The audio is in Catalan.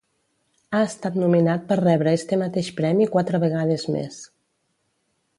Ha estat nominat per rebre este mateix premi quatre vegades més.